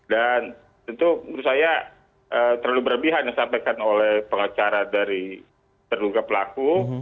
dan tentu menurut saya terlalu berlebihan yang disampaikan oleh pengacara dari terduga pelaku